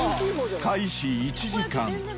開始１時間。